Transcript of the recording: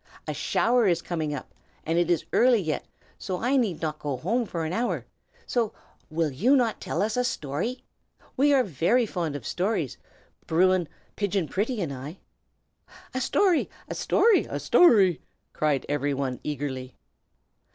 A shower is coming up, and it is early yet, so I need not go home for an hour. So, will you not tell us a story? We are very fond of stories, Bruin and Pigeon Pretty and I." "A story! a story!" cried every one, eagerly.